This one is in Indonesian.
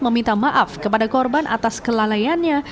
meminta maaf kepada korban atas kelalaiannya